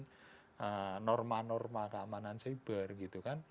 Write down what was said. karena norma norma keamanan cyber gitu kan